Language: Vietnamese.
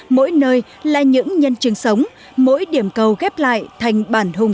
mỗi nơi là những nhân chứng sống mỗi điểm cầu ghép lại thành bản hùng